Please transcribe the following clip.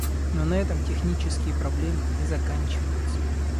Но на этом технические проблемы не заканчиваются.